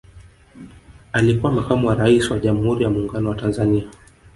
alikuwa makamu wa raisi wa jamhuri ya muungano wa tanzania